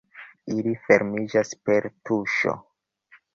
Ili fermiĝas per tuŝo.